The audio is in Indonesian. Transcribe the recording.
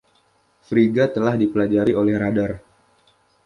Frigga telah dipelajari oleh radar.